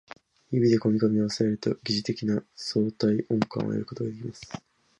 指でこめかみを抑えると疑似的な相対音感を得ることができる